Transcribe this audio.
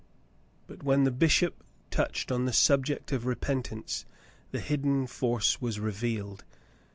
But when the bishop touched on the subject of repent ance, the hidden force was revealed.